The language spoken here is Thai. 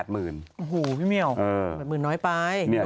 หิวพี่เมียล๘๐ลิงณ์น้อยไป